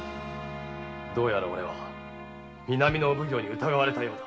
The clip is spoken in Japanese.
どうやら俺は南の奉行に疑われたようだ。